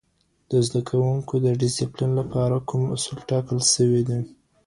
د زده کوونکو د ډسپلین لپاره کوم اصول ټاکل سوي دي؟